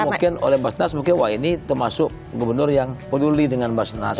cuma mungkin oleh mbak nas mungkin wah ini termasuk gubernur yang peduli dengan mbak nas